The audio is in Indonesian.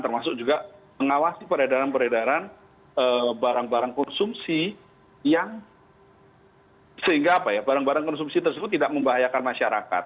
dan juga mengawasi peredaran peredaran barang barang konsumsi yang sehingga barang barang konsumsi tersebut tidak membahayakan masyarakat